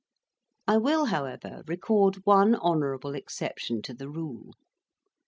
I will, however, record one honourable exception to the rule.